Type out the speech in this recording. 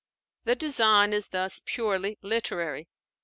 The design is thus purely literary.